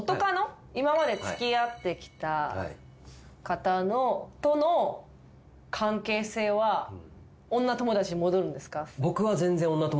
今まで付き合ってきた方との関係性は女友達に戻るんですか？